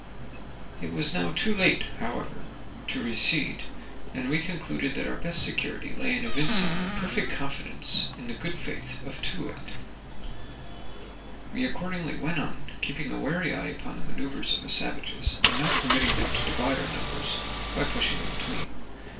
It was now too late, however, to recede, and we concluded that our best security lay in evincing a perfect confidence in the good faith of Too wit. We accordingly went on, keeping a wary eye upon the manoeuvres of the savages, and not permitting them to divide our numbers by pushing in between.